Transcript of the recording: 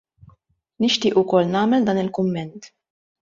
Nixtieq ukoll nagħmel dan il-kumment.